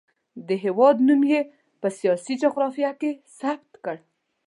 د هېواد نوم یې په سیاسي جغرافیه کې ثبت کړ.